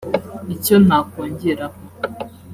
icyo nakongeraho